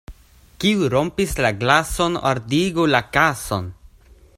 Kiu rompis la glason, ordigu la kason.